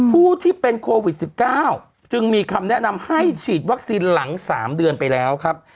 ผู้ที่เป็นโควิด๑๙จึงมีคำแนะนำให้ฉีดวัคซีนหลัง๓เดือนไปแล้วครับ